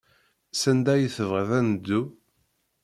Sanda ay tebɣiḍ ad neddu?